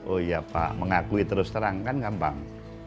oh ya pak mengakui terus terangkan gampang